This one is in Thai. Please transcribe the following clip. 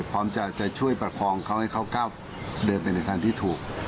พร้อมจะช่วยประคองเขาให้เขาก้าวเดินไปในทางที่ถูก